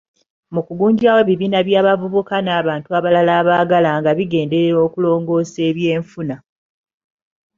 Okugunjawo ebibiina by'abavubuka n'abantu abalala abaagala nga bigenderera okulongoosa eby'enfuna.